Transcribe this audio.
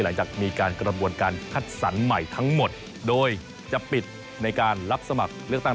หลังจากมีการกระบวนการคัดสรรใหม่ทั้งหมดโดยจะปิดในการรับสมัครเลือกตั้ง